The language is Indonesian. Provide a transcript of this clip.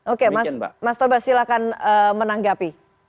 oke mas tobas silakan menanggap